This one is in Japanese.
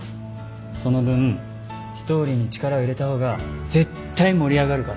その分ストーリーに力を入れた方が絶対盛り上がるから